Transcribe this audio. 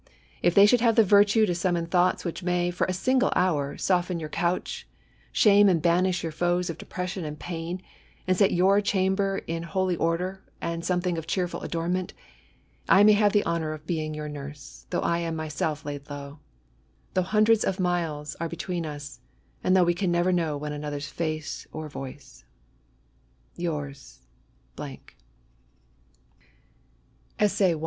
If they should have the virtue to summon thoughts which may, for a single hour, soften your couch, shame and banish your foes of depression and pain, and set your chamber in holy order and something of cheerful adornment, I may have the honour of being your nurse, thou^ I am myself laid low,— though hundreds of miles are between us, and though we can never know one another's face or voice. Yours, ESSAYS.